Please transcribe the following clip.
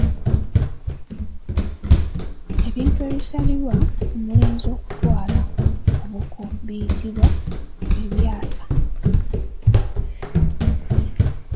Ebintu ebisalirwa omulenzi okutwala ku buko biyitibwa Ebyasa.